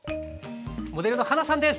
モデルのはなさんです。